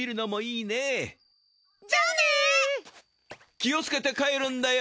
気をつけて帰るんだよ。